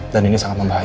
dan ini sangat membahaya